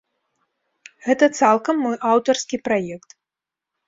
Гэта цалкам мой аўтарскі праект.